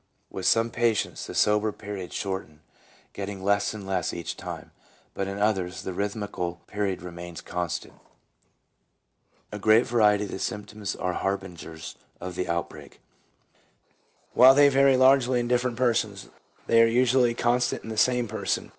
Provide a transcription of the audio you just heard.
1 With some patients the sober periods shorten, getting less and less each time, but in others the rhythmical period remains constant. A great variety of symptoms are harbingers of the outbreak. While they vary largely in different persons, they are usually constant in the same person.